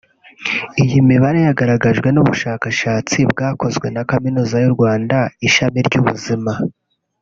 Iyi mibare yagaragajwe n’ubushakashatsi bwakozwe na Kaminuza y’u Rwanda Ishami ry’Ubuzima